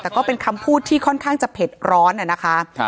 แต่ก็เป็นคำพูดที่ค่อนข้างจะเผ็ดร้อนนะคะ